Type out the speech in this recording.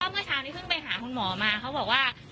เมื่อเช้านี้เพิ่งไปหาคุณหมอมาเขาบอกว่า